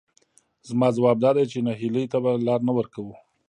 زما ځواب دادی چې نهیلۍ ته به لار نه ورکوو،